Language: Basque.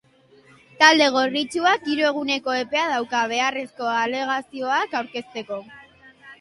Talde gorritxoak hiru eguneko epea dauka beharrezko alegazioak aurkezteko.